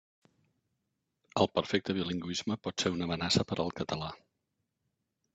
El perfecte bilingüisme pot ser una amenaça per al català.